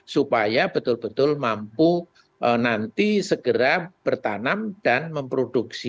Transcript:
supaya betul betul mampu nanti segera bertanam dan memproduksi